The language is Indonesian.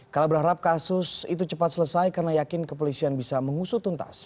kala berharap kasus itu cepat selesai karena yakin kepolisian bisa mengusut tuntas